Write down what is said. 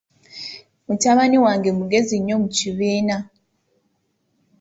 Mutabani wange mugezi nnyo mu kibiina.